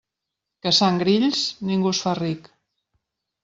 Caçant grills, ningú es fa ric.